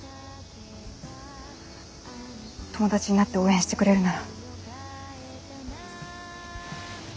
友達になって応援してくれるなら。